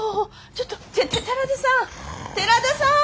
ちょっとて寺田さん寺田さん！